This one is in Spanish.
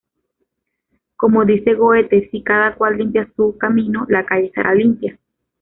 Como dice Goethe, "si cada cual limpia su camino, la calle estará limpia".